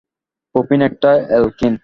Propene একটি alkyne.